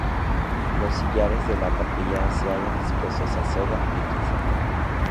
Los sillares de la capilla se hallan dispuestos a soga y tizón.